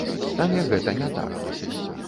Але гэта не так.